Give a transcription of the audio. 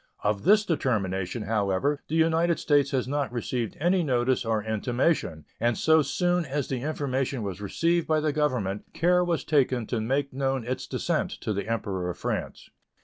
Of this determination, however, the United States had not received any notice or intimation, and so soon as the information was received by the Government care was taken to make known its dissent to the Emperor of France.